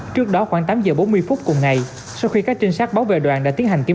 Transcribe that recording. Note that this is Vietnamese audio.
trước đó khoảng tám giờ bốn mươi phút cùng ngày sau khi các trinh sát báo về đoàn đã tiến hành kiểm